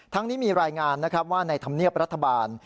นี้มีรายงานนะครับว่าในธรรมเนียบรัฐบาล